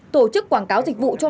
tổ chức quảng cáo dịch vụ cho phòng